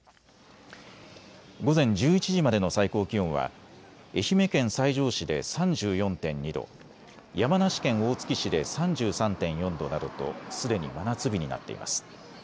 午前１１時までの最高気温は愛媛県西条市で３４．２度、山梨県大月市で３３．４度などとすでに真夏日になっています。